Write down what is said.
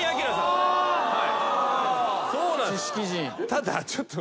ただちょっと。